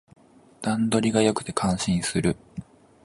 段取りが良くて感心する